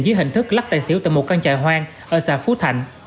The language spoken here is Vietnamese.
dưới hình thức lắc tài xỉu tại một căn trại hoang ở xã phú thạnh